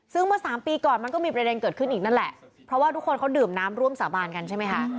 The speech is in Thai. ซึ่งเมื่อสามปีก่อนมันก็มีประเด็นเกิดขึ้นอีกนั่นแหละเพราะว่าทุกคนเขาดื่มน้ำร่วมสาบานกันใช่ไหมคะ